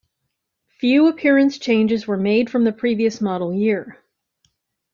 Few appearance changes were made from the previous model year.